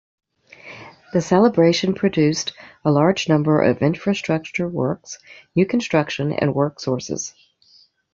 The celebration produced a large number of infrastructure works, new construction and work sources.